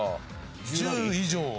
１０以上は。